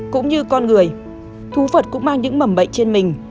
cũng như con người thú vật cũng mang những mầm bệnh trên mình